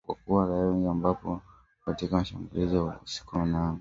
Na kuua raia wengi ambapo wengi wao ni katika mashambulizi ya usiku wa manane